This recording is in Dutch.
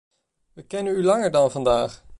We kennen u langer dan vandaag.